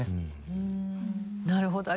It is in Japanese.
なるほど。